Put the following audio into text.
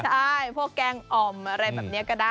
ใช่พวกแกงอ่อมอะไรแบบนี้ก็ได้